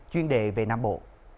chuyên đề về nam bộ